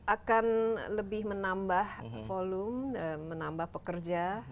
akan lebih menambah volume menambah pekerja